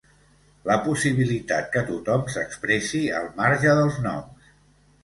La possibilitat que tothom s’expressi al marge dels noms.